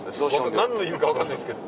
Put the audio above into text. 何の意味か分かんないですけど。